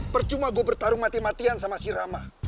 percuma gue bertarung mati matian sama si rama